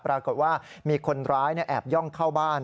ปรากฏว่ามีคนร้ายแอบย่องเข้าบ้าน